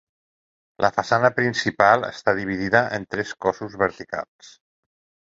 La façana principal està dividida en tres cossos verticals.